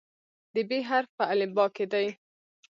د "ب" حرف په الفبا کې دی.